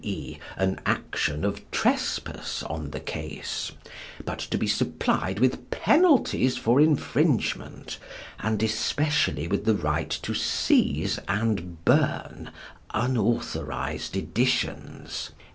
e._, an action of trespass on the case but to be supplied with penalties for infringement, and especially with the right to seize and burn unauthorized editions.